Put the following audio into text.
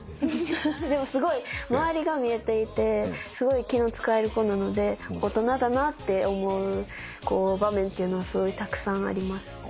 すごい周りが見えていてすごい気の使える子なので大人だなって思う場面っていうのがすごいたくさんあります。